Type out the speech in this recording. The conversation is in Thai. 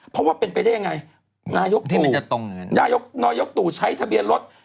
เพราะว่าเป็นไปได้ยังไงนายกตู่ใช้ทะเบียนรถ